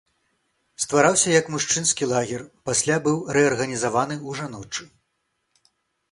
Ствараўся як мужчынскі лагер, пасля быў рэарганізаваны ў жаночы.